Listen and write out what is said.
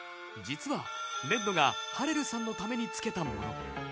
実はレッドが晴さんのために付けたもの。